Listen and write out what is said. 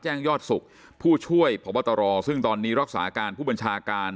ยอดสุขผู้ช่วยพบตรซึ่งตอนนี้รักษาการผู้บัญชาการ